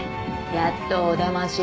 やっとお出まし？